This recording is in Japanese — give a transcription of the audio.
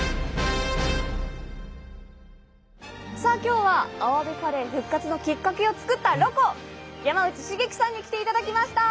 今日はアワビカレー復活のきっかけを作ったロコ山内繁樹さんに来ていただきました！